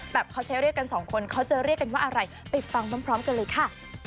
เขาใช้เรียกกันสองคนเขาจะเรียกกันว่าอะไรไปฟังพร้อมกันเลยค่ะ